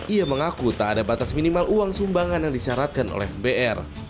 ia mengaku tak ada batas minimal uang sumbangan yang disyaratkan oleh fbr